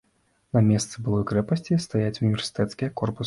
На месцы былой крэпасці стаяць універсітэцкія корпусы.